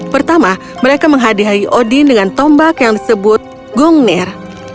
pertama mereka menghadiahi odin dengan tombak yang disebut gungnir